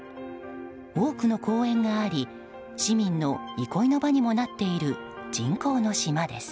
多くの公園があり市民の憩いの場にもなっている人工の島です。